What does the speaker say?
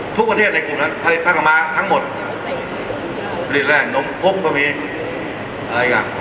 ทุกประเทศในกลุ่มนั้นผลิตภาคม้าทั้งหมดผลิตแหล่งนมพุกก็มีอะไรอีกอ่ะ